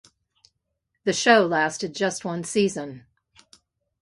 The show lasted just one season.